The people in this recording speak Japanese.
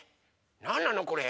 なんなのこれ？